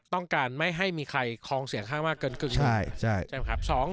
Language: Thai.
ต้องการไม่ให้มีใครคลองเสียงมากเกินครึ่งหนึ่ง